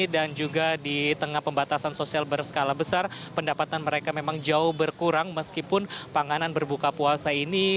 dan juga di tengah pembatasan sosial berskala besar pendapatan mereka memang jauh berkurang meskipun panganan berbuka puasa ini